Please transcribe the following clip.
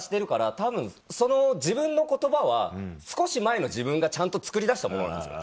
たぶんその自分の言葉は少し前の自分がちゃんとつくり出したものなんですよ。